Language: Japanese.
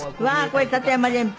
これ立山連峰？